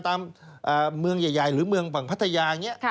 ตามเมืองใหญ่หรือเมืองฝั่งพัทยาอย่างนี้